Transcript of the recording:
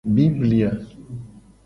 Biblia.